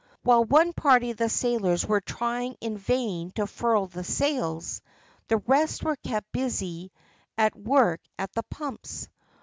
While one party of the sailors were trying in vain to furl the sails, the rest were kept busily at work at the pumps.